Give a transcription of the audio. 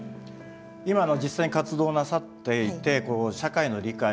今の実際に活動なさっていてこう社会の理解